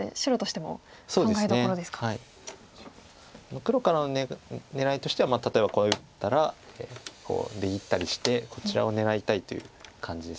黒からの狙いとしては例えばこう打ったら出切ったりしてこちらを狙いたいという感じです。